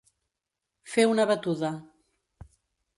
Fer una batuda.